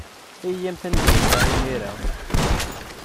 Iyyamt ad neg aya imir-a.